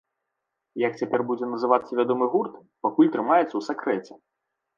Як цяпер будзе называцца вядомы гурт, пакуль трымаецца ў сакрэце.